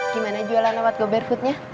gimana jualan lewat go barefootnya